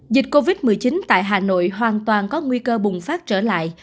dịch covid một mươi chín tại hà nội hoàn toàn có nguy cơ bùng phát trở lại